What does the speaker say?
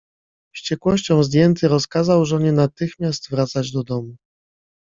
Wściekłością zdjęty rozkazał żonie natychmiast wracać do domu.